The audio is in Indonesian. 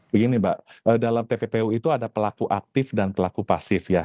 begini mbak dalam tppu itu ada pelaku aktif dan pelaku pasif ya